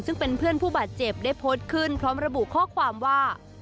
ซึ่งเป็นเพื่อนผู้บาดเจ็บได้โพสต์ขึ้นพร้อมระบุข้อความว่า